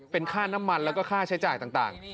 เป็นค่าน้ำมันแล้วก็ค่าใช้จ่ายต่าง